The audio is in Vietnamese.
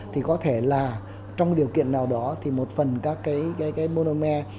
thì có thể là trong điều kiện nào đó thì một phần các cái monome